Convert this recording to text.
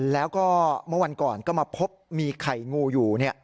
แล้วก็เมื่อวันก่อนก็มาพบมีไข่งูอยู่